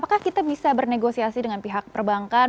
apakah kita bisa bernegosiasi dengan pihak perbankan